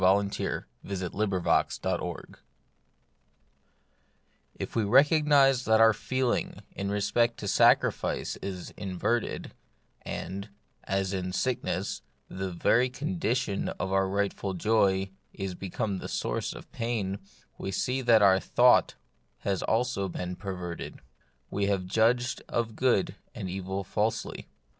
CHAPTER VII * TF we recognise that our feeling in respect to sacrifice is inverted, and, as in sick ness, the very condition of our rightful joy is become the source of pain, we see that our thought has also been perverted ; we have judged of good and evil falsely.